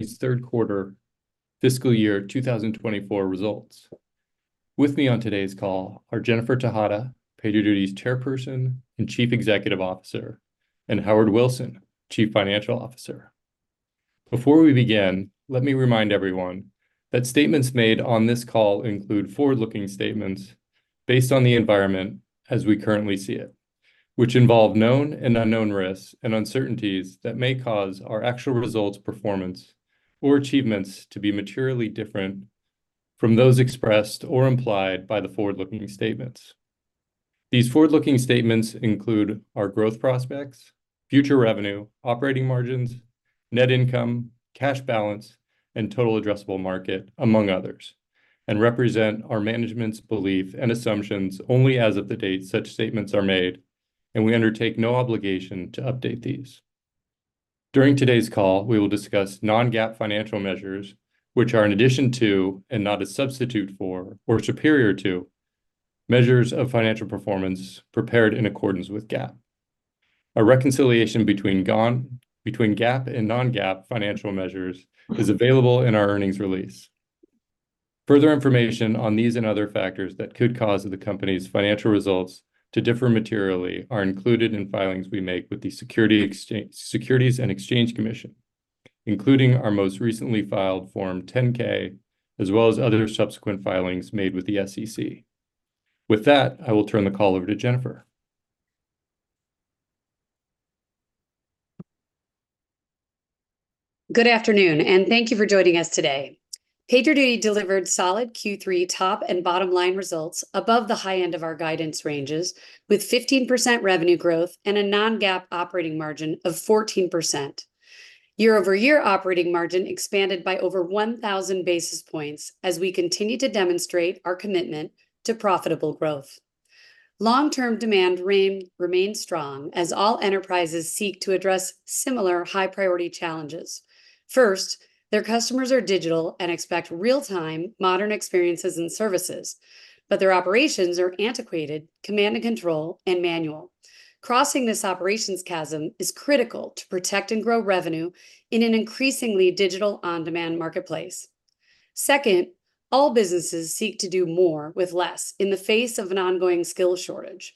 It's Q3 fiscal 2024 results. With me on today's call are Jennifer Tejada, PagerDuty's Chairperson and Chief Executive Officer, and Howard Wilson, Chief Financial Officer. Before we begin, let me remind everyone that statements made on this call include forward-looking statements based on the environment as we currently see it, which involve known and unknown risks and uncertainties that may cause our actual results, performance, or achievements to be materially different from those expressed or implied by the forward-looking statements. These forward-looking statements include our growth prospects, future revenue, operating margins, net income, cash balance, and total addressable market, among others, and represent our management's belief and assumptions only as of the date such statements are made, and we undertake no obligation to update these. During today's call, we will discuss non-GAAP financial measures, which are in addition to, and not a substitute for or superior to, measures of financial performance prepared in accordance with GAAP. A reconciliation between GAAP and non-GAAP financial measures is available in our earnings release. Further information on these and other factors that could cause the company's financial results to differ materially are included in filings we make with the Securities and Exchange Commission, including our most recently filed Form 10-K, as well as other subsequent filings made with the SEC. With that, I will turn the call over to Jennifer. Good afternoon, and thank you for joining us today. PagerDuty delivered solid Q3 top and bottom line results above the high end of our guidance ranges, with 15% revenue growth and a non-GAAP operating margin of 14%. Year-over-year operating margin expanded by over 1,000 basis points as we continue to demonstrate our commitment to profitable growth. Long-term demand remains strong as all enterprises seek to address similar high-priority challenges. First, their customers are digital and expect real-time, modern experiences and services, but their operations are antiquated, command and control, and manual. Crossing this operations chasm is critical to protect and grow revenue in an increasingly digital, on-demand marketplace. Second, all businesses seek to do more with less in the face of an ongoing skill shortage.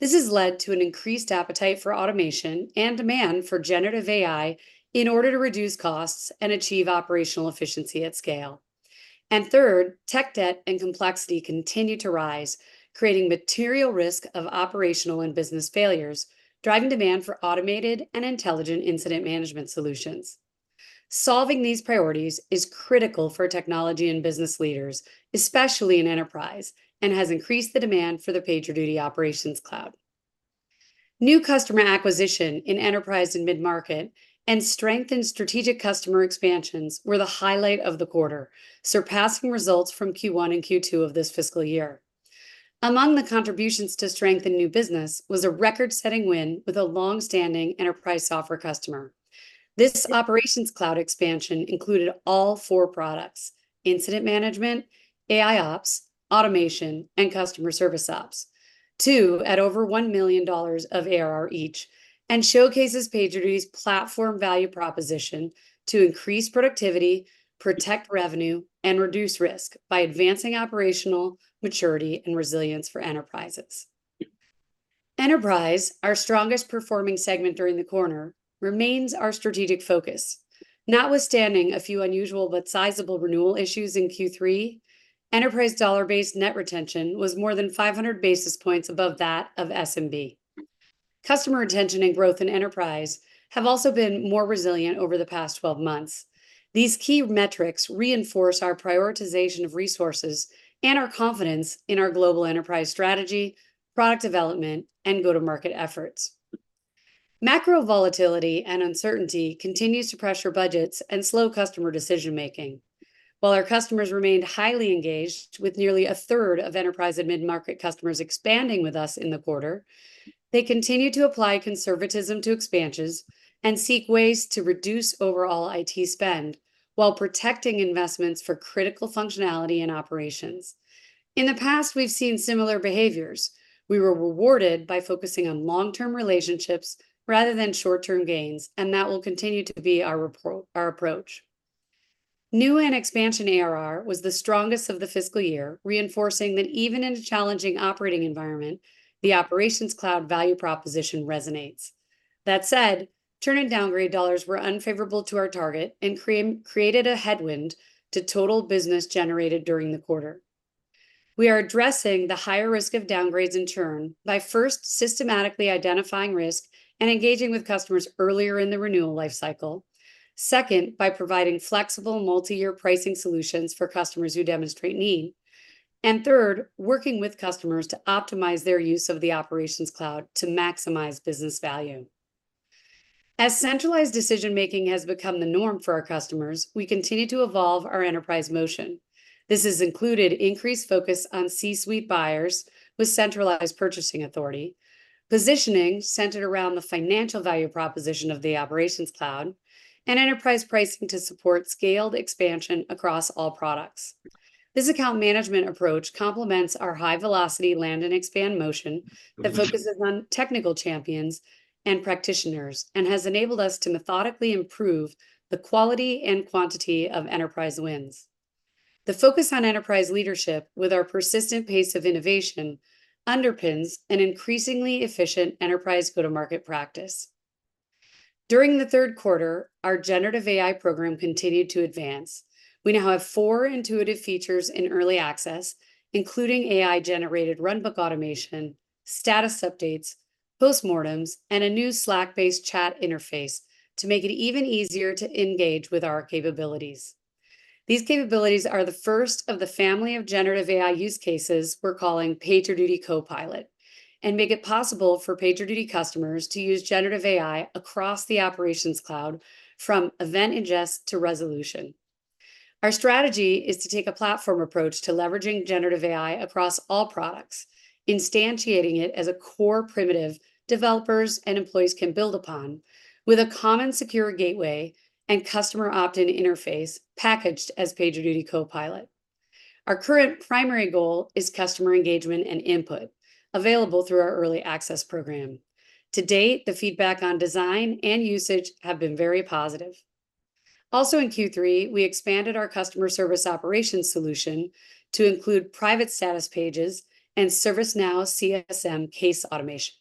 This has led to an increased appetite for automation and demand for generative AI in order to reduce costs and achieve operational efficiency at scale. And third, tech debt and complexity continue to rise, creating material risk of operational and business failures, driving demand for automated and intelligent incident management solutions. Solving these priorities is critical for technology and business leaders, especially in enterprise, and has increased the demand for the PagerDuty Operations Cloud. New customer acquisition in enterprise and mid-market, and strengthened strategic customer expansions were the highlight of the quarter, surpassing results from Q1 and Q2 of this fiscal year. Among the contributions to strengthen new business was a record-setting win with a long-standing enterprise software customer. This Operations Cloud expansion included all four products: Incident Management, AIOps, Automation, and Customer Service Ops, two at over $1 million of ARR each, and showcased PagerDuty's platform value proposition to increase productivity, protecting revenue, and reducing risk by advancing operational maturity and resilience for enterprises. Enterprise, our strongest-performing segment during the quarter, remains our strategic focus. Notwithstanding a few unusual but sizable renewal issues in Q3, enterprise dollar-based net retention was more than 500 basis points above that of SMB. Customer retention and growth in enterprise have also been more resilient over the past 12 months. These key metrics reinforce our prioritization of resources and our confidence in our global enterprise strategy, product development, and go-to-market efforts. Macro volatility and uncertainty continues to pressure budgets and slow customer decision-making. While our customers remained highly engaged, with nearly a third of enterprise and mid-market customers expanding with us in the quarter, they continue to apply conservatism to expansions and seek ways to reduce overall IT spend while protecting investments for critical functionality and operations. In the past, we've seen similar behaviors. We were rewarded by focusing on long-term relationships rather than short-term gains, and that will continue to be our approach. New and expansion ARR was the strongest of the fiscal year, reinforcing that even in a challenging operating environment, the Operations Cloud value proposition resonates. That said churn and downgrade dollars were unfavorable to our target and created a headwind to total business generated during the quarter. We are addressing the higher risk of downgrades and churn by first systematically identifying risk and engaging with customers earlier in the renewal lifecycle. Second, by providing flexible multi-year pricing solutions for customers who demonstrate need. And third, working with customers to optimize their use of the Operations Cloud to maximize business value. As centralized decision-making has become the norm for our customers, we continue to evolve our enterprise motion. This has included increased focus on C-suite buyers with centralized purchasing authority, positioning centered around the financial value proposition of the Operations Cloud, and enterprise pricing to support scaled expansion across all products. This account management approach complements our high-velocity land and expand motion that focuses on technical champions and practitioners, and has enabled us to methodically improve the quality and quantity of enterprise wins. The focus on enterprise leadership with our persistent pace of innovation underpins an increasingly efficient enterprise go-to-market practice. During the Q3, our generative AI program continued to advance. We now have four intuitive features in early access, including AI-generated runbook automation, status updates, postmortems, and a new Slack-based chat interface to make it even easier to engage with our capabilities. These capabilities are the first of the family of generative AI use cases we're calling PagerDuty Copilot, and make it possible for PagerDuty customers to use generative AI across the operations cloud from event ingest to resolution. Our strategy is to take a platform approach to leveraging generative AI across all products, instantiating it as a core primitive developers and employees can build upon, with a common secure gateway and customer opt-in interface packaged as PagerDuty Copilot. Our current primary goal is customer engagement and input, available through our early access program. To date, the feedback on design and usage have been very positive. Also, in Q3, we expanded our Customer Service Operations solution to include private status pages and ServiceNow CSM case automation.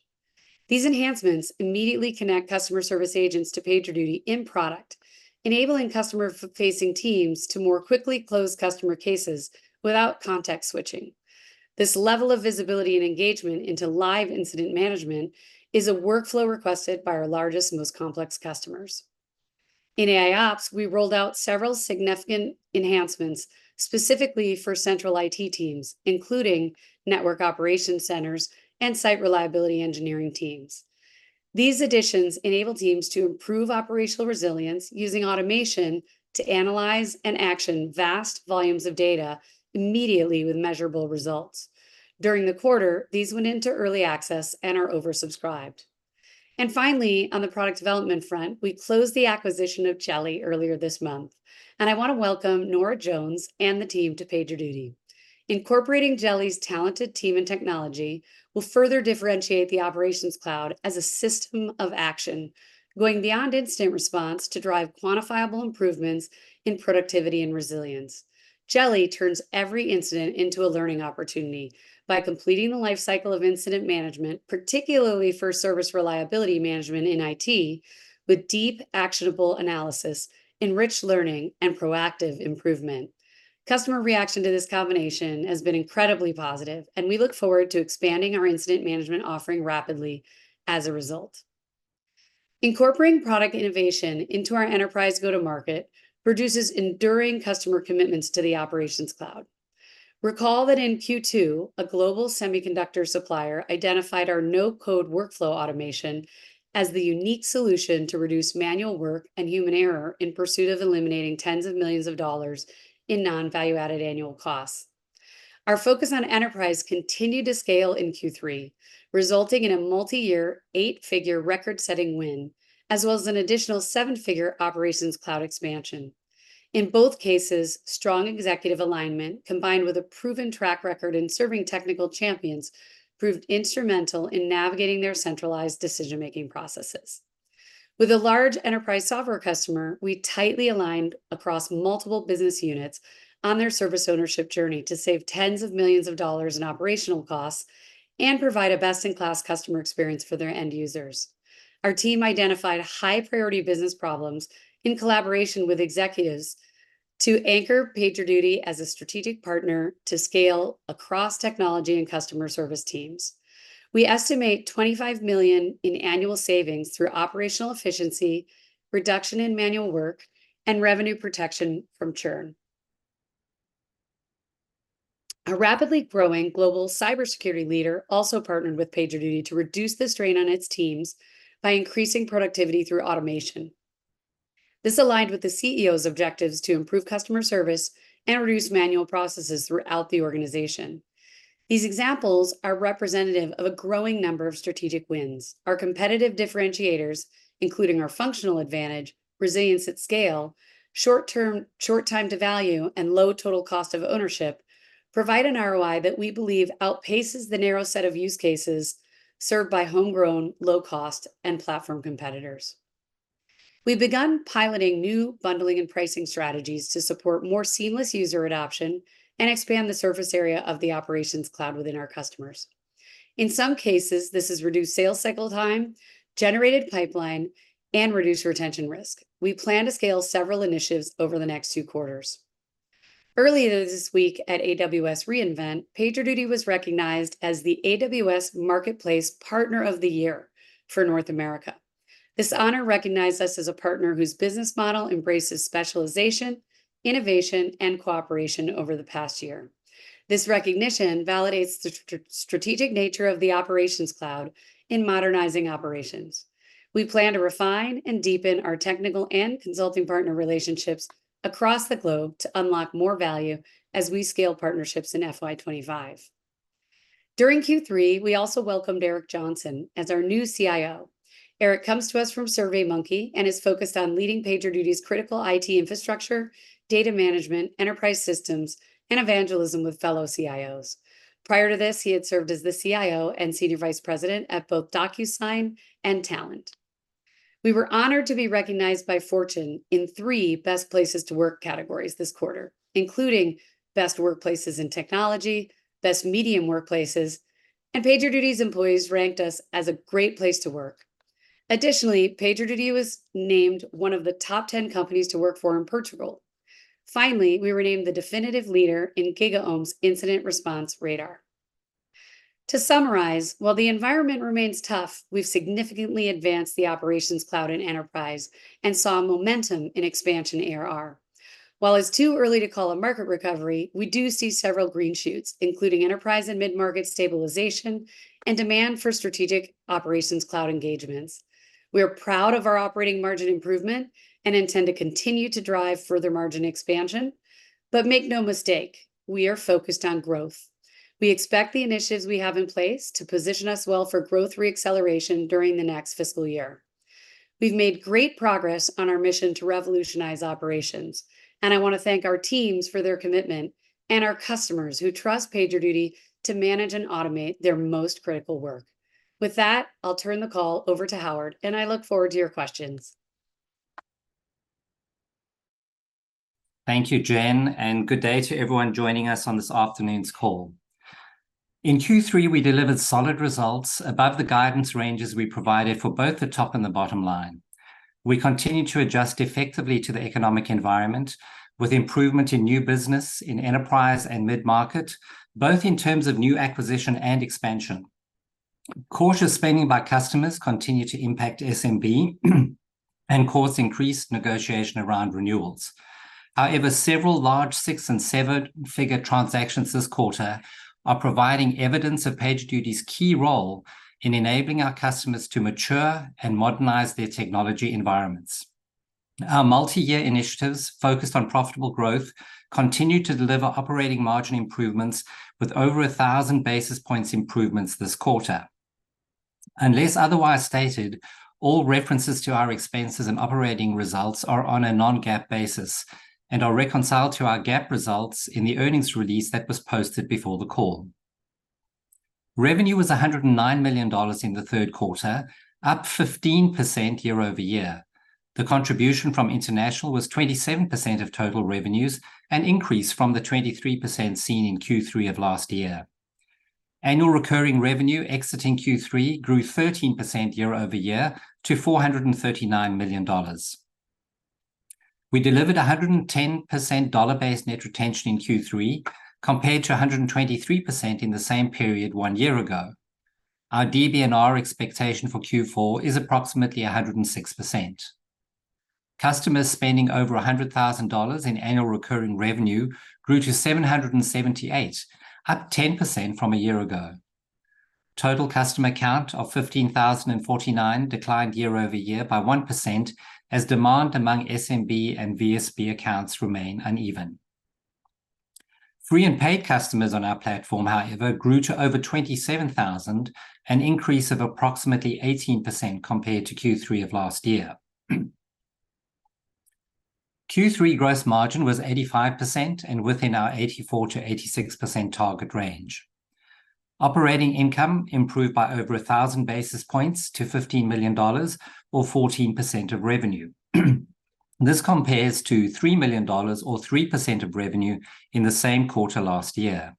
These enhancements immediately connect customer service agents to PagerDuty in-product, enabling customer-facing teams to more quickly close customer cases without context switching. This level of visibility and engagement into live incident management is a workflow requested by our largest, most complex customers. In AIOps, we rolled out several significant enhancements, specifically for central IT teams, including network operations centers and site reliability engineering teams. These additions enable teams to improve operational resilience using automation to analyze and action vast volumes of data immediately with measurable results. During the quarter, these went into early access and are oversubscribed. Finally, on the product development front, we closed the acquisition of Jeli earlier this month, and I want to welcome Nora Jones and the team to PagerDuty. Incorporating Jeli's talented team and technology will further differentiate the Operations Cloud as a system of action, going beyond incident response to drive quantifiable improvements in productivity and resilience. Jeli turns every incident into a learning opportunity by completing the life cycle of Incident Management, particularly for service reliability management in IT, with deep, actionable analysis, enriched learning, and proactive improvement. Customer reaction to this combination has been incredibly positive, and we look forward to expanding our Incident Management offering rapidly as a result. Incorporating product innovation into our enterprise go-to-market produces enduring customer commitments to the Operations Cloud. Recall that in Q2, a global semiconductor supplier identified our no-code workflow automation as the unique solution to reduce manual work and human error in pursuit of eliminating tens of millions of dollars in non-value-added annual costs. Our focus on enterprise continued to scale in Q3, resulting in a multi-year, eight-figure, record-setting win, as well as an additional seven-figure Operations Cloud expansion. In both cases, strong executive alignment, combined with a proven track record in serving technical champions, proved instrumental in navigating their centralized decision-making processes. With a large enterprise software customer, we tightly aligned across multiple business units on their service ownership journey to save $10 millions in operational costs and provide a best-in-class customer experience for their end users. Our team identified high-priority business problems in collaboration with executives to anchor PagerDuty as a strategic partner to scale across technology and customer service teams. We estimate $25 million in annual savings through operational efficiency, reduction in manual work, and revenue protection from churn. A rapidly growing global cybersecurity leader also partnered with PagerDuty to reduce the strain on its teams by increasing productivity through automation. This aligned with the CEO's objectives to improve customer service and reduce manual processes throughout the organization. These examples are representative of a growing number of strategic wins. Our competitive differentiators, including our functional advantage, resilience at scale, short time to value, and low total cost of ownership, provide an ROI that we believe outpaces the narrow set of use cases served by homegrown, low-cost, and platform competitors. We've begun piloting new bundling and pricing strategies to support more seamless user adoption and expand the surface area of the operations cloud within our customers. In some cases, this has reduced sales cycle time, generated pipeline, and reduced retention risk. We plan to scale several initiatives over the next two quarters. Earlier this week at AWS re:Invent, PagerDuty was recognized as the AWS Marketplace Partner of the Year for North America. This honor recognized us as a partner whose business model embraces specialization, innovation, and cooperation over the past year. This recognition validates the strategic nature of the Operations Cloud in modernizing operations. We plan to refine and deepen our technical and consulting partner relationships across the globe to unlock more value as we scale partnerships in FY 25. During Q3, we also welcomed Eric Johnson as our new CIO. Eric comes to us from SurveyMonkey and is focused on leading PagerDuty's critical IT infrastructure, data management, enterprise systems, and evangelism with fellow CIOs. Prior to this, he had served as the CIO and senior vice president at both DocuSign and Talend.... We were honored to be recognized by Fortune in three Best Places to Work categories this quarter, including Best Workplaces in Technology, Best Medium Workplaces, and PagerDuty's employees also ranked us as a great place to work. Additionally, PagerDuty was named one of the top 10 companies to work for in Portugal. Finally, we were named the definitive leader in GigaOm's Incident Response Radar. To summarize, while the environment remains tough, we've significantly advanced the operations cloud and enterprise and saw momentum in expansion ARR. While it's too early to call a market recovery, we do see several green shoots, including enterprise and mid-market stabilization and demand for strategic operations cloud engagements. We are proud of our operating margin improvement and intend to continue to drive further margin expansion. But make no mistake, we are focused on growth. We expect the initiatives we have in place to position us well for growth re-acceleration during the next fiscal year. We've made great progress on our mission to revolutionize operations, and I want to thank our teams for their commitment and our customers who trust PagerDuty to manage and automate their most critical work. With that, I'll turn the call over to Howard, and I look forward to your questions. Thank you, Jen, and good day to everyone joining us on this afternoon's call. In Q3, we delivered solid results above the guidance ranges we provided for both the top and the bottom line. We continue to adjust effectively to the economic environment, with improvement in new business, in enterprise and mid-market, both in terms of new acquisition and expansion. Cautious spending by customers continue to impact SMB and cause increased negotiation around renewals. However, several large six- and seven-figure transactions this quarter are providing evidence of PagerDuty's key role in enabling our customers to mature and modernize their technology environments. Our multi-year initiatives focused on profitable growth continue to deliver operating margin improvements with over 1,000 basis points improvements this quarter. Unless otherwise stated, all references to our expenses and operating results are on a non-GAAP basis and are reconciled to our GAAP results in the earnings release that was posted before the call. Revenue was $109 million in the Q3, up 15% year-over-year. The contribution from international was 27% of total revenues, an increase from the 23% seen in Q3 of last year. Annual recurring revenue exiting Q3 grew 13% year-over-year to $439 million. We delivered 110% dollar-based net retention in Q3, compared to 123% in the same period one year ago. Our DBNR expectation for Q4 is approximately 106%. Customers spending over $100,000 in annual recurring revenue grew to 778, up 10% from a year ago. Total customer count of 15,049 declined year-over-year by 1%, as demand among SMB and VSB accounts remain uneven. Free and paid customers on our platform, grew to over 27,000, an increase of approximately 18% compared to Q3 of last year. Q3 gross margin was 8% and within our 84% to 86% target range. Operating income improved by over 1,000 basis points to $15 million or 14% of revenue. This compares to $3 million or 3% of revenue in the same quarter last year.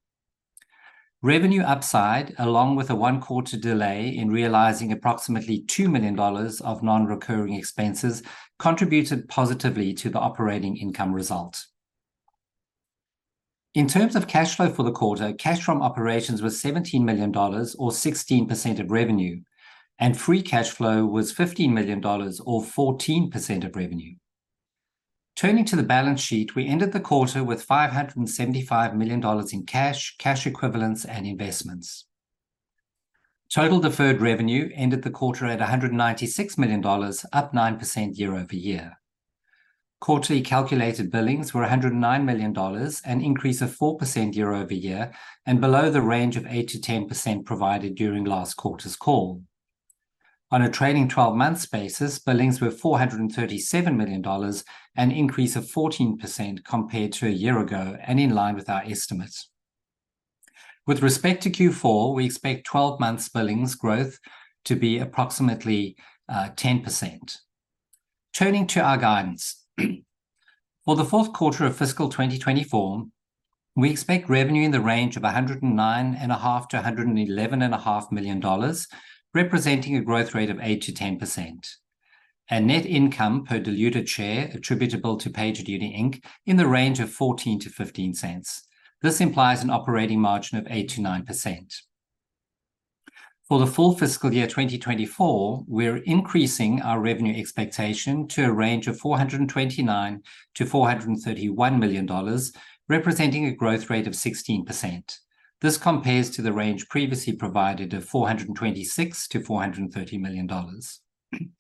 Revenue upside, along with a one-quarter delay in realizing approximately $2 million of non-recurring expenses, contributed positively to the operating income result. In terms of cash flow for the quarter, cash from operations was $17 million or 16% of revenue, and free cash flow was $15 million or 14% of revenue. Turning to the balance sheet, we ended the quarter with $575 million in cash, cash equivalents, and investments. Total deferred revenue ended the quarter at $196 million, up 9% year-over-year. Quarterly calculated billings were $109 million, an increase of 4% year-over-year, and below the range of 8% to 10% provided during last quarter's call. On a trailing twelve months basis, billings were $437 million, an increase of 14% compared to a year ago and in line with our estimates. With respect to Q4, we expect 12 months billings growth to be approximately 10%. Turning to our guidance, for the fourth quarter of fiscal 2024, we expect revenue in the range of $109.5 million to $111.5 million, representing a growth rate of 8% to 10%. Net income per diluted share attributable to PagerDuty Inc. in the range of $0.14 to $0.15. This implies an operating margin of 8% to 9%. For the full fiscal 2024, we're increasing our revenue expectation to a range of $429 million to $431 million, representing a growth rate of 16%. This compares to the range previously provided of $426 million to $430 million.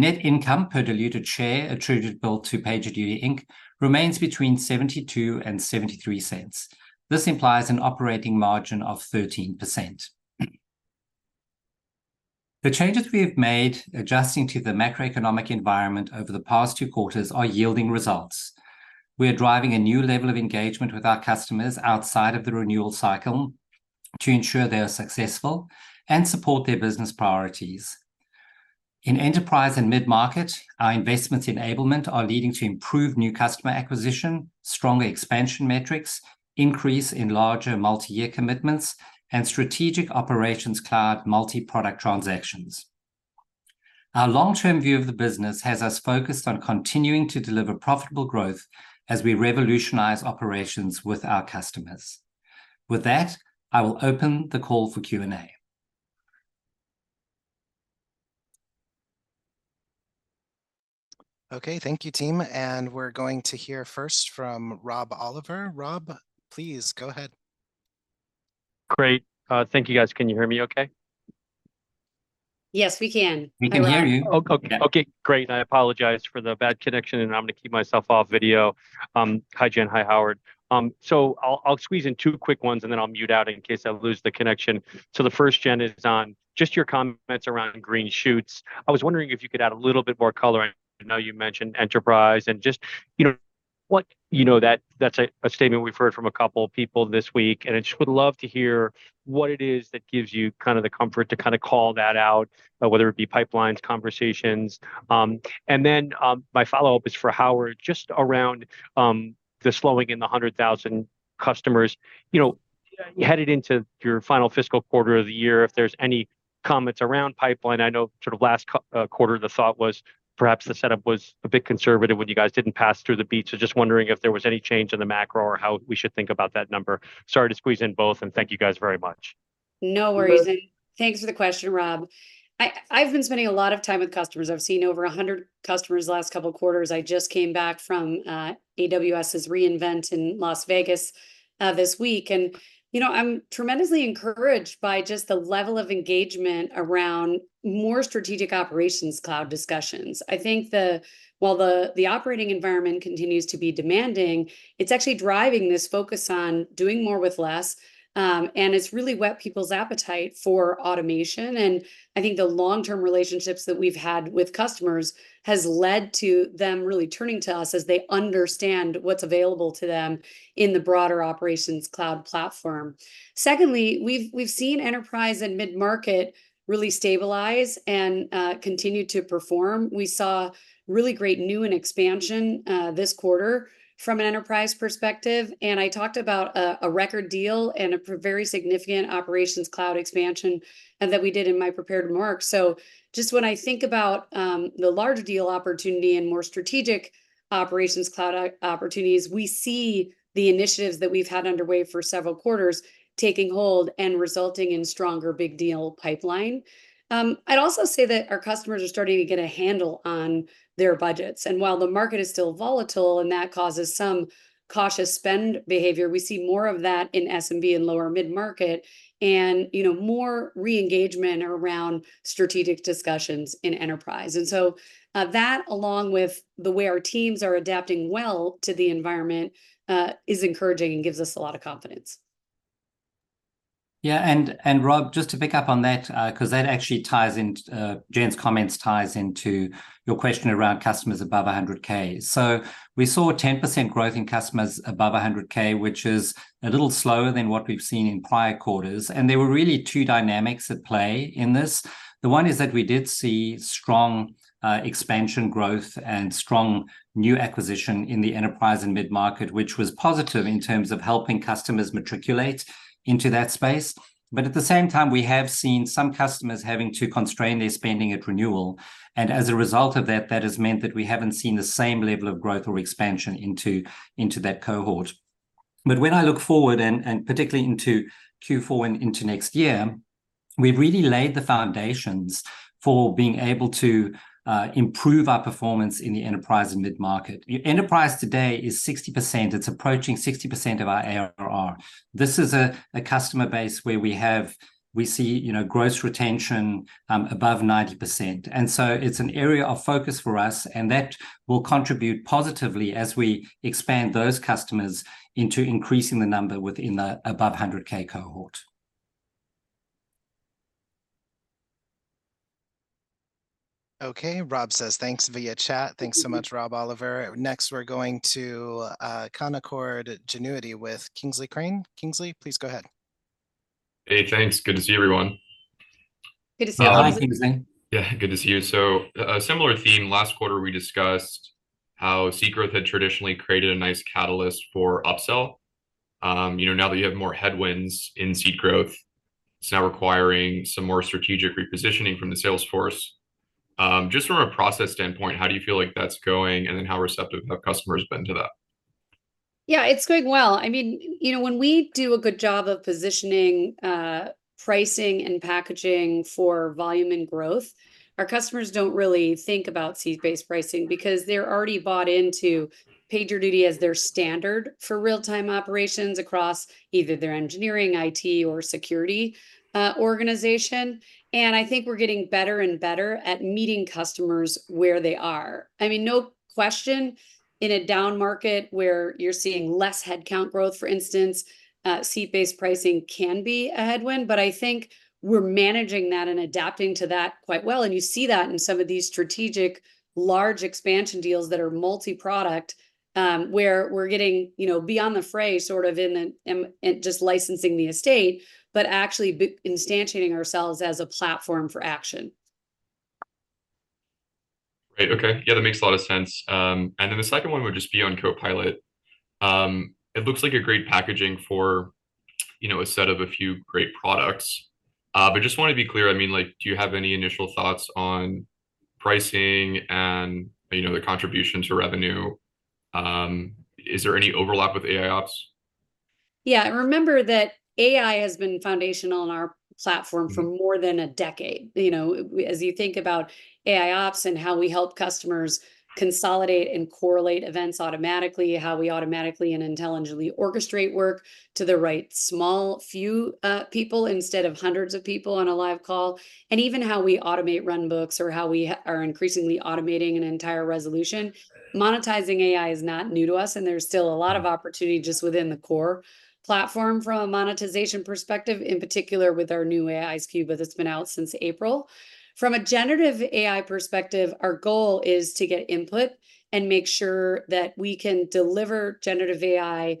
Net income per diluted share attributable to PagerDuty Inc. remains between $0.72 and $0.73. This implies an operating margin of 13%. The changes we have made adjusting to the macroeconomic environment over the past two quarters are yielding results. We are driving a new level of engagement with our customers outside of the renewal cycle... to ensure they are successful and support their business priorities. In enterprise and mid-market, our investments enablement are leading to improved new customer acquisition, stronger expansion metrics, increase in larger multi-year commitments, and strategic operations cloud multi-product transactions. Our long-term view of the business has us focused on continuing to deliver profitable growth as we revolutionize operations with our customers. With that, I will open the call for Q&A. Okay, thank you, team, and we're going to hear first from Rob Oliver. Rob, please go ahead. Great. Thank you, guys. Can you hear me okay? Yes, we can. Hello? We can hear you. Oh, okay. Okay, great. I apologize for the bad connection, and I'm gonna keep myself off video. Hi, Jen. Hi, Howard. So I'll squeeze in two quick ones, and then I'll mute out in case I lose the connection. So the first, Jen, is on just your comments around green shoots. I was wondering if you could add a little bit more color. I know you mentioned enterprise, and just, you know ,that's a statement we've heard from a couple of people this week, and I just would love to hear what it is that gives you kind of the comfort to kind of call that out, whether it be pipelines, conversations. And then my follow-up is for Howard, just around the slowing in the 100,000 customers. You know, headed into your final fiscal quarter of the year, if there's any comments around pipeline? I know sort of last quarter, the thought was perhaps the setup was a bit conservative when you guys didn't pass through the beat. So just wondering if there was any change in the macro or how we should think about that number? Sorry to squeeze in both, and thank you guys very much. No worries. No- Thanks for the question, Rob. I've been spending a lot of time with customers. I've seen over 100 customers the last couple of quarters. I just came back from AWS re-invent in Las Vegas this week, and you know, I'm tremendously encouraged by just the level of engagement around more strategic Operations Cloud discussions. I think while the operating environment continues to be demanding, it's actually driving this focus on doing more with less, and it's really whet people's appetite for automation. I think the long-term relationships that we've had with customers has led to them really turning to us as they understand what's available to them in the broader Operations Cloud platform. Secondly, we've seen enterprise and mid-market really stabilize and continue to perform. We saw really great new and expansion this quarter from an enterprise perspective, and I talked about a record deal and a very significant operations cloud expansion that we did in my prepared remarks. So just when I think about the larger deal opportunity and more strategic operations cloud opportunities, we see the initiatives that we've had underway for several quarters taking hold and resulting in stronger big deal pipeline. I'd also say that our customers are starting to get a handle on their budgets, and while the market is still volatile, and that causes some cautious spend behavior, we see more of that in SMB and lower mid-market, and, you know, more re-engagement around strategic discussions in enterprise. And so, that, along with the way our teams are adapting well to the environment, is encouraging and gives us a lot of confidence. Yeah, and Rob, just to pick up on that, 'cause that actually ties in, Jen's comments ties into your question around customers above 100K. So we saw a 10% growth in customers above 100K, which is a little slower than what we've seen in prior quarters, and there were really two dynamics at play in this. The one is that we did see strong expansion growth and strong new acquisition in the enterprise and mid-market, which was positive in terms of helping customers matriculate into that space. But at the same time, we have seen some customers having to constrain their spending at renewal, and as a result of that, that has meant that we haven't seen the same level of growth or expansion into that cohort. But when I look forward, and particularly into Q4 and into next year, we've really laid the foundations for being able to improve our performance in the enterprise and mid-market. Enterprise today is 60%. It's approaching 60% of our ARR. This is a customer base where we see, you know, gross retention above 90%, and so it's an area of focus for us, and that will contribute positively as we expand those customers into increasing the number within the above 100K cohort. Okay, Rob says thanks via chat. Thanks so much, Rob Oliver. Next, we're going to Canaccord Genuity with Kingsley Crane. Kingsley, please go ahead. Hey, thanks. Good to see everyone. Good to see you, Kingsley. Hi, Kingsley. Yeah, good to see you. So, a similar theme, last quarter we discussed how seed growth had traditionally created a nice catalyst for upsell. You know, now that you have more headwinds in seed growth, it's now requiring some more strategic repositioning from the sales force. Just from a process standpoint, how do you feel like that's going, and then how receptive have customers been to that? Yeah, it's going well. I mean, you know, when we do a good job of positioning, pricing and packaging for volume and growth, our customers don't really think about seat-based pricing because they're already bought into PagerDuty as their standard for real-time operations across either their engineering, IT, or security, organization. And I think we're getting better and better at meeting customers where they are. I mean, no question, in a down market where you're seeing less headcount growth, for instance, seat-based pricing can be a headwind, but I think we're managing that and adapting to that quite well. And you see that in some of these strategic large expansion deals that are multi-product, where we're getting, you know, beyond the fray, sort of in the, in just licensing the estate, but actually instantiating ourselves as a platform for action.... Great. Okay, yeah, that makes a lot of sense. And then the second one would just be on Copilot. It looks like a great packaging for, you know, a set of a few great products. But just wanna be clear, I mean, like, do you have any initial thoughts on pricing and, you know, the contribution to revenue? Is there any overlap with AIOps? Yeah, remember that AI has been foundational in our platform- Mm -for more than a decade. You know, as you think about AIOps and how we help customers consolidate and correlate events automatically, how we automatically and intelligently orchestrate work to the right small few, people instead of hundreds of people on a live call, and even how we automate runbooks or how we are increasingly automating an entire resolution. Right. Monetizing AI is not new to us, and there's still a lot of opportunity just within the core platform from a monetization perspective, in particular with our new AIOps that's been out since April. From a Generative AI perspective, our goal is to get input and make sure that we can deliver Generative AI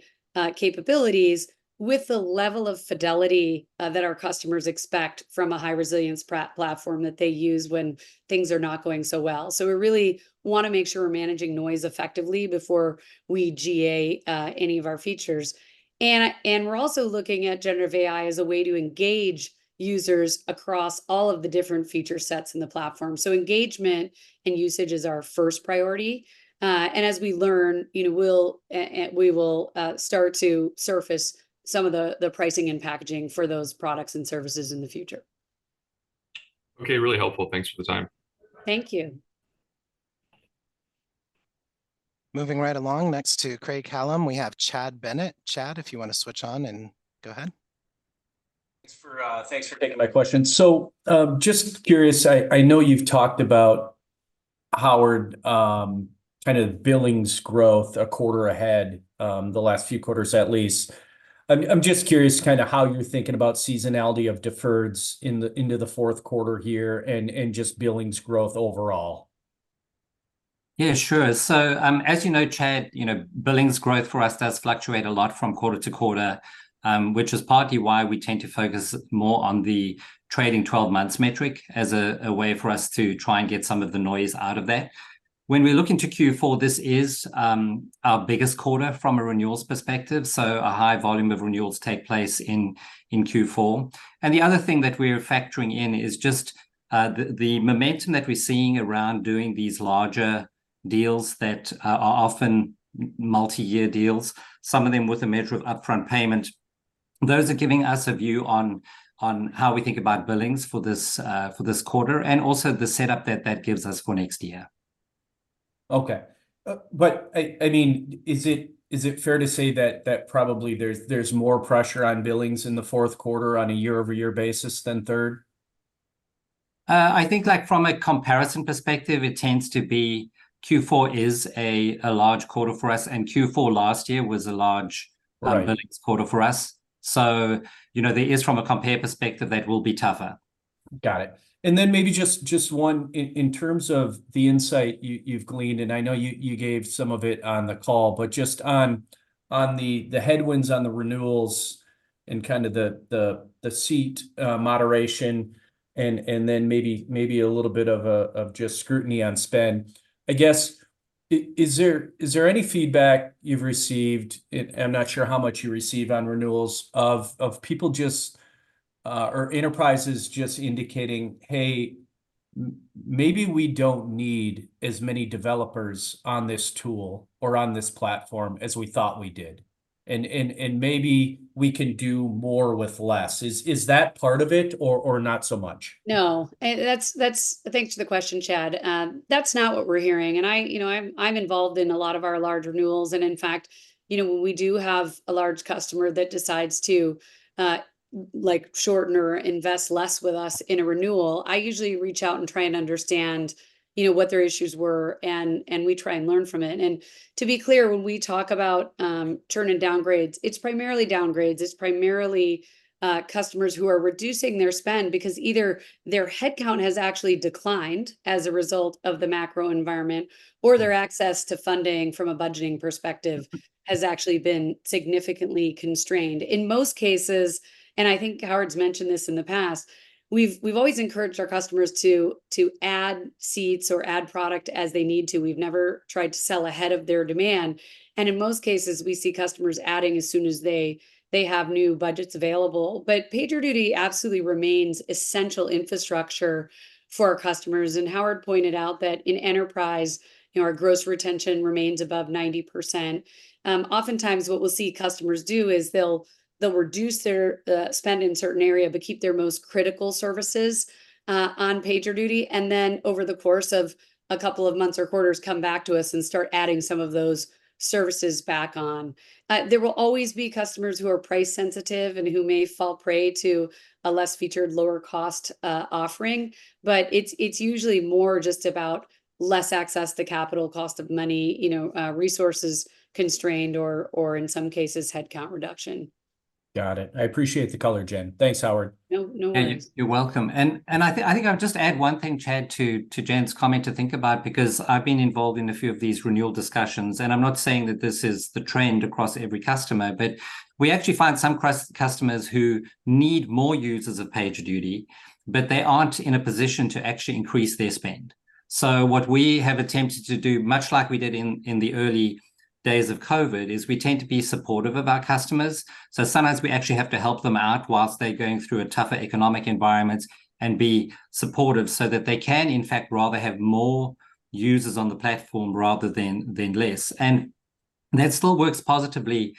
capabilities with the level of fidelity that our customers expect from a high-resilience platform that they use when things are not going so well. So we really wanna make sure we're managing noise effectively before we GA any of our features. And we're also looking at Generative AI as a way to engage users across all of the different feature sets in the platform. So engagement and usage is our first priority. As we learn, you know, we will start to surface some of the pricing and packaging for those products and services in the future. Okay, really helpful. Thanks for the time. Thank you. Moving right along, next to Craig-Hallum, we have Chad Bennett. Chad, if you wanna switch on and go ahead. Thanks for taking my question. So, just curious, I know you've talked about, Howard, kind of billings growth a quarter ahead, the last few quarters at least. I'm just curious kind of how you're thinking about seasonality of deferreds into the fourth quarter here, and just billings growth overall. Yeah, sure. So, as you know, Chad, you know, billings growth for us does fluctuate a lot from quarter to quarter, which is partly why we tend to focus more on the trailing-12-month metric as a way for us to try and get some of the noise out of that. When we look into Q4, this is our biggest quarter from a renewals perspective, so a high volume of renewal takes place in Q4. And the other thing that we're factoring in is just the momentum that we're seeing around doing these larger deals that are often multi-year deals, some of them with a degree of upfront payment. Those are giving us a view on how we think about billings for this quarter, and also the setup that that gives us for next year. Okay. But I mean, is it fair to say that probably there's more pressure on billings in the fourth quarter on a year-over-year basis than third? I think, like, from a comparison perspective, it tends to be Q4 is a large quarter for us, and Q4 last year was a large- Right... billings quarter for us. So, you know, there is from a compare perspective, that will be tougher. Got it. And then maybe just one in terms of the insight you've gleaned, and I know you gave some of it on the call, but just on the headwinds on the renewals and kind of the seat moderation, and then maybe a little bit of just scrutiny on spend. I guess, is there any feedback you've received, and I'm not sure how much you receive on renewals, of people just or enterprises just indicating, "Hey, maybe we don't need as many developers on this tool or on this platform as we thought we did, and maybe we can do more with less"? Is that part of it or not so much? No, and that's... Thanks for the question, Chad. That's not what we're hearing, and I, you know, I'm involved in a lot of our large renewals. And in fact, you know, when we do have a large customer that decides to, like, shorten or invest less with us in a renewal, I usually reach out and try and understand, you know, what their issues were, and we try and learn from it. And to be clear, when we talk about churn and downgrades, it's primarily downgrades. It's primarily customers who are reducing their spend because either their headcount has actually declined as a result of the macro environment, or their access to funding from a budgeting perspective has actually been significantly constrained. In most cases, and I think Howard's mentioned this in the past, we've always encouraged our customers to add seats or add product as they need to. We've never tried to sell ahead of their demand, and in most cases, we see customers adding as soon as they have new budgets available. But PagerDuty absolutely remains essential infrastructure for our customers, and Howard pointed out that in enterprise, you know, our gross retention remains above 90%. Oftentimes, what we'll see customers do is they'll reduce their spend in a certain area, but keep their most critical services on PagerDuty, and then over the course of a couple of months or quarters, come back to us and start adding some of those services back on. There will always be customers who are price-sensitive and who may fall prey to a less featured, lower-cost offering, but it's usually more just about less access to capital, cost of money, you know, resources constrained or in some cases, headcount reduction. Got it. I appreciate the color, Jen. Thanks, Howard. No, no worries. You're welcome. I think I'll just add one thing, Chad, to Jen's comment to think about, because I've been involved in a few of these renewal discussions, and I'm not saying that this is the trend across every customer, but we actually find some customers who need more users of PagerDuty, but they aren't in a position to actually increase their spend. So what we have attempted to do, much like we did in the early days of COVID, is we tend to be supportive of our customers. So sometimes we actually have to help them out while they're going through a tougher economic environment, and be supportive so that they can, in fact, rather have more users on the platform rather than less. And that still works positively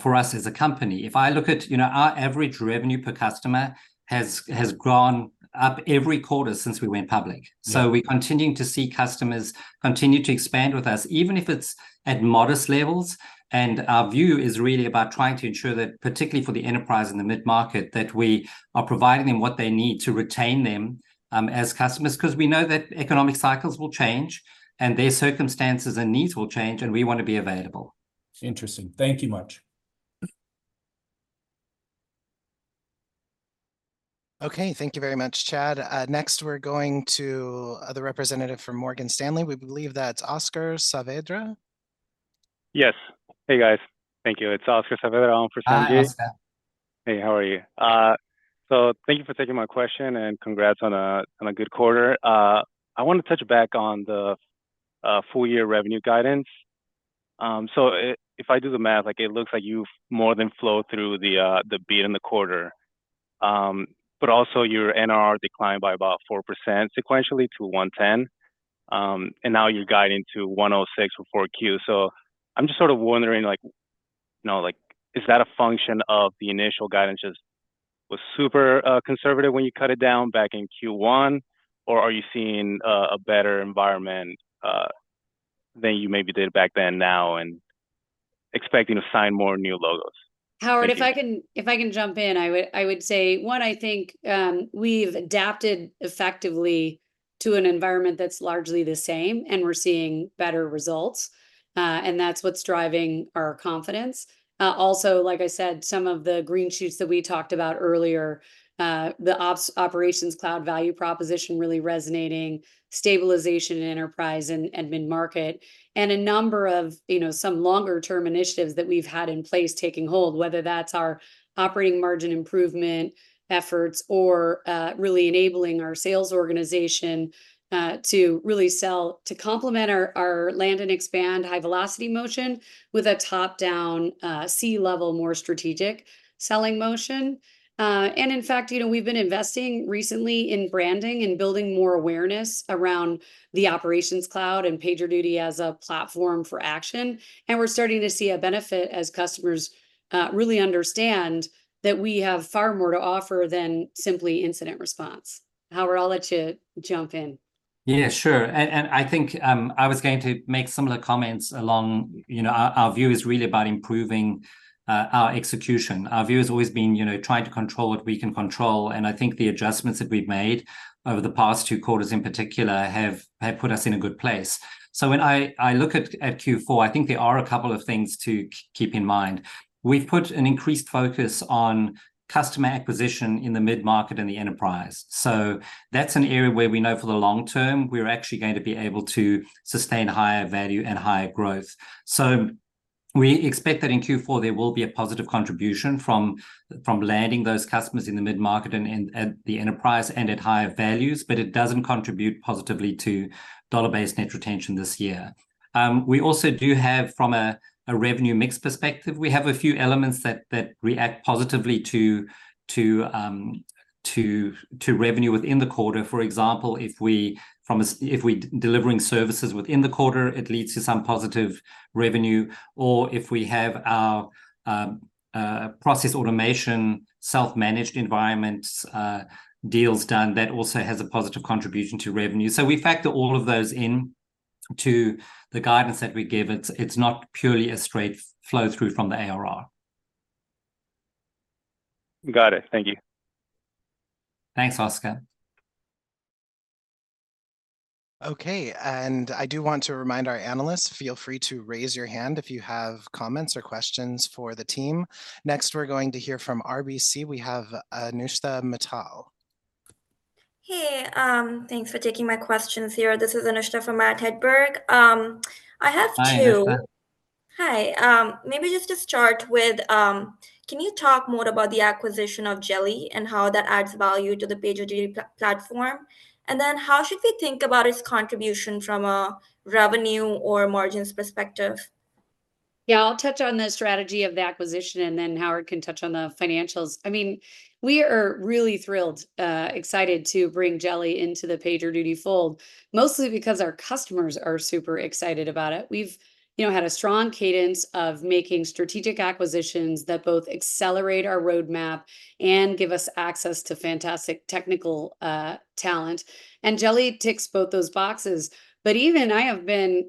for us as a company. If I look at, you know, our average revenue per customer has gone up every quarter since we went public. Yeah. We're continuing to see customers continue to expand with us, even if it's at modest levels. Our view is really about trying to ensure that, particularly for the enterprise and the mid-market, that we are providing them what they need to retain them, as customers. 'Cause we know that economic cycles will change, and their circumstances and needs will change, and we want to be available. Interesting. Thank you much. Okay, thank you very much, Chad. Next we're going to the representative from Morgan Stanley. We believe that's Oscar Saavedra. Yes. Hey, guys. Thank you. It's Oscar Saavedra on for Morgan- Hi, Oscar. Hey, how are you? So thank you for taking my question, and congrats on a good quarter. I wanted to touch back on the full-year revenue guidance. So if I do the math, like, it looks like you've more than flowed through the beat in the quarter. But also, your NRR declined by about 4% sequentially to 110. And now you're guiding to 106 for 4Q. So I'm just sort of wondering, like, you know, like, is that a function of the initial guidance just was super conservative when you cut it down back in Q1? Or are you seeing a better environment than you maybe did back then now, and expecting to sign more new logos? Thank you. Howard, if I can jump in, I would say one, I think we've adapted effectively to an environment that's largely the same, and we're seeing better results. And that's what's driving our confidence. Also, like I said, some of the green shoots that we talked about earlier, the Operations Cloud value proposition really resonating, stabilization in enterprise and mid-market, and a number of, you know, some longer-term initiatives that we've had in place taking hold, whether that's our operating margin improvement efforts or really enabling our sales organization to really sell to complement our land and expand high-velocity motion with a top-down C-level more strategic selling motion. And in fact, you know, we've been investing recently in branding and building more awareness around the Operations Cloud and PagerDuty as a platform for action, and we're starting to see a benefit as customers really understand that we have far more to offer than simply incident response. Howard, I'll let you jump in. Yeah, sure. And I think I was going to make similar comments along... You know, our view is really about improving our execution. Our view has always been, you know, trying to control what we can control, and I think the adjustments that we've made over the past two quarters in particular have put us in a good place. So when I look at Q4, I think there are a couple of things to keep in mind. We've put an increased focus on customer acquisition in the mid-market and the enterprise. So that's an area where we know for the long term we're actually going to be able to sustain higher value and higher growth. So we expect that in Q4 there will be a positive contribution from landing those customers in the mid-market and at the enterprise and at higher values, but it doesn't contribute positively to dollar-based net retention this year. We also do have, from a revenue mix perspective, we have a few elements that react positively to revenue within the quarter. For example, if we're delivering services within the quarter, it leads to some positive revenue, or if we have our process automation, self-managed environments deals done, that also has a positive contribution to revenue. So we factor all of those in to the guidance that we give. It's not purely a straight flow-through from the ARR. Got it. Thank you. Thanks, Oscar. Okay, and I do want to remind our analysts, feel free to raise your hand if you have comments or questions for the team. Next, we're going to hear from RBC. We have Anusha Mittal. Hey, thanks for taking my questions here. This is Anusha from Matt Hedberg. I have two- Hi, Anusha. Hi. Maybe just to start with, can you talk more about the acquisition of Jeli and how that adds value to the PagerDuty platform? And then how should we think about its contribution from a revenue or margins perspective? Yeah, I'll touch on the strategy of the acquisition, and then Howard can touch on the financials. I mean, we are really thrilled, excited to bring Jeli into the PagerDuty fold, mostly because our customers are super excited about it. We've, you know, had a strong cadence of making strategic acquisitions that both accelerate our roadmap and give us access to fantastic technical, talent, and Jeli ticks both those boxes. But even I have been,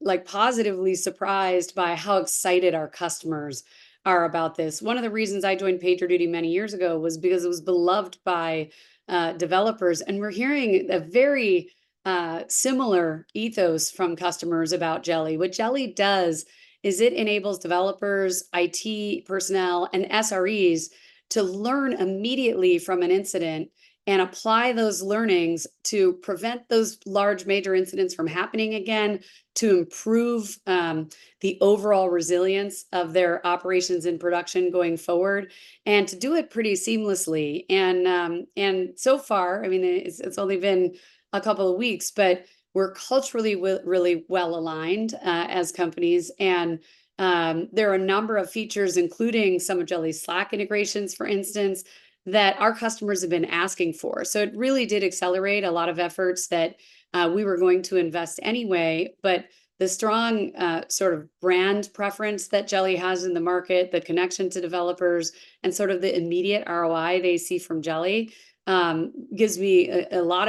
like, positively surprised by how excited our customers are about this. One of the reasons I joined PagerDuty many years ago was because it was beloved by, developers, and we're hearing a very, similar ethos from customers about Jeli. What Jeli does is it enables developers, IT personnel, and SREs to learn immediately from an incident and apply those learnings to prevent those large, major incidents from happening again, to improve the overall resilience of their operations and production going forward, and to do it pretty seamlessly. And so far, I mean, it's only been a couple of weeks, but we're culturally really well-aligned as companies. And there are a number of features, including some of Jeli's Slack integrations, for instance, that our customers have been asking for. So it really did accelerate a lot of efforts that we were going to invest anyway. But the strong, sort of brand preference that Jeli has in the market, the connection to developers, and sort of the immediate ROI they see from Jeli, gives me a lot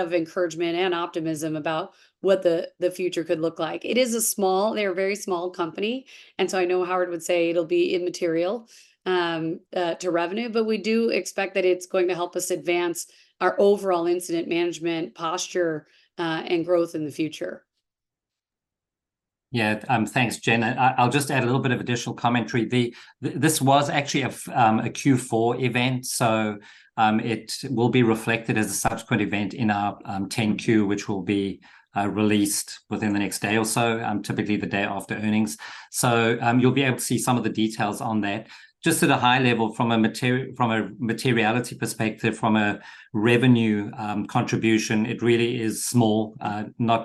of encouragement and optimism about what the future could look like. It is a small. They're a very small company, and so I know Howard would say it'll be immaterial to revenue, but we do expect that it's going to help us advance our overall incident management posture, and growth in the future.... Yeah, thanks, Jen. I'll just add a little bit of additional commentary. This was actually a Q4 event, so it will be reflected as a subsequent event in our 10-Q, which will be released within the next day or so, typically the day after earnings. So you'll be able to see some of the details on that. Just at a high level from a materiality perspective, from a revenue contribution, it really is small,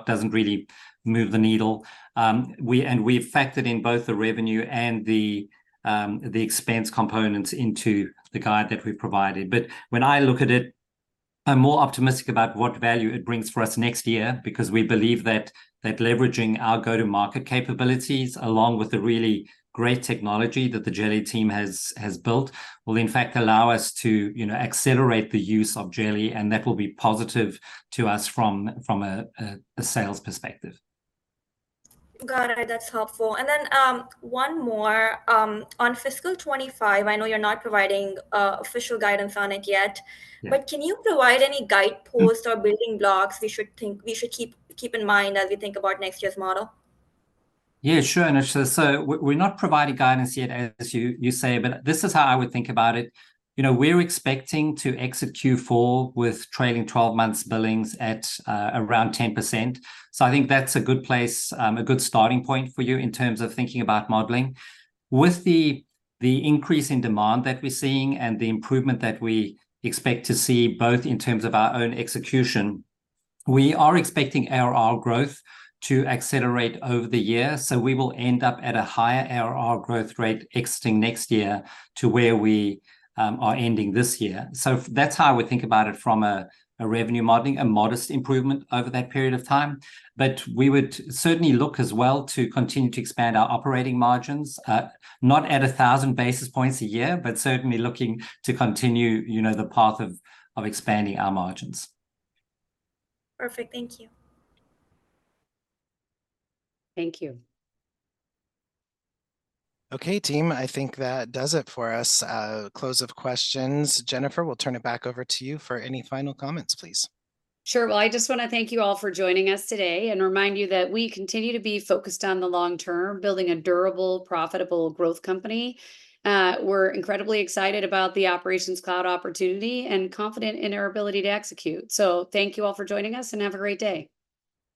doesn't really move the needle. And we've factored in both the revenue and the expense components into the guide that we've provided. When I look at it, I'm more optimistic about what value it brings for us next year because we believe that leveraging our go-to-market capabilities, along with the really great technology that the Jeli team has built, will in fact allow us to, you know, accelerate the use of Jeli, and that will be positive to us from a sales perspective. Got it. That's helpful. And then, one more. On fiscal 2025, I know you're not providing official guidance on it yet- Yeah... but can you provide any guideposts or building blocks we should keep in mind as we think about next year's model? Yeah, sure, Anusha. So we're not providing guidance yet, as you say, but this is how I would think about it. You know, we're expecting to exit Q4 with trailing-12-month billings at around 10%, so I think that's a good place, a good starting point for you in terms of thinking about modeling. With the increase in demand that we're seeing and the improvement that we expect to see, both in terms of our own execution, we are expecting ARR growth to accelerate over the year, so we will end up at a higher ARR growth rate exiting next year to where we are ending this year. So that's how I would think about it from a revenue modeling, a modest improvement over that period of time. But we would certainly look as well to continue to expand our operating margins, not at 1,000 basis points a year, but certainly looking to continue, you know, the path of expanding our margins. Perfect. Thank you. Thank you. Okay, team, I think that does it for us, close of questions. Jennifer, we'll turn it back over to you for any final comments, please. Sure. Well, I just wanna thank you all for joining us today and remind you that we continue to be focused on the long term, building a durable, profitable growth company. We're incredibly excited about the operations cloud opportunity and confident in our ability to execute. So thank you all for joining us, and have a great day.